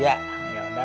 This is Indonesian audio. yaudah gua jalan dulu ya